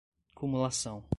cumulação